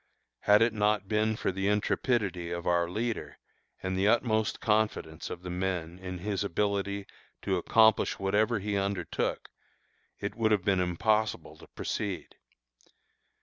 Had it not been for the intrepidity of our leader, and the utmost confidence of the men in his ability to accomplish whatever he undertook, it would have been impossible to proceed.